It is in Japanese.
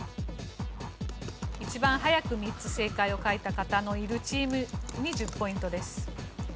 一番早く３つ正解を書いた方のいるチームに１０ポイントです。